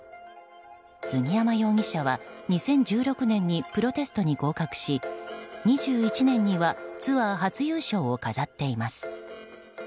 杉山容疑者は２０１６年にプロテストに合格し２１年にはツアー初優勝を飾っています。